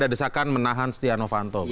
ada desakan menahan stiano vanto